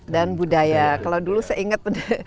dan budaya kalau dulu saya ingat